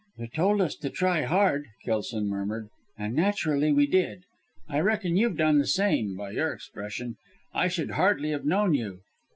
"You told us to try hard!" Kelson murmured, "and naturally we did. I reckon you've done the same by your expression. I should hardly have known you."